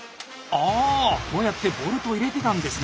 ああこうやってボルトを入れてたんですね。